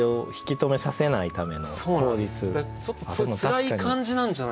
つらい感じなんじゃないなかと。